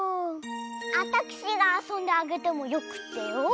あたくしがあそんであげてもよくってよ。